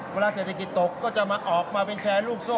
เวลาเศรษฐกิจตกก็จะมาออกมาเป็นแชร์ลูกโซ่